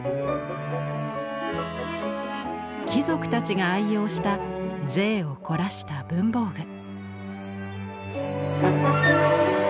貴族たちが愛用した贅を凝らした文房具。